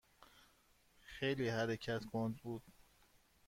خیلی حرکت کند بود.